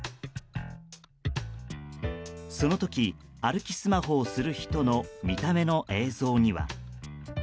その時、歩きスマホをする人の見た目の映像には。